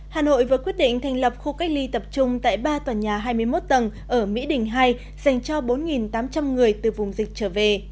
hà nội vừa quyết định thành lập khu cách ly tập trung tại ba tòa nhà hai mươi một tầng ở mỹ đình hai dành cho bốn tám trăm linh người từ vùng dịch trở về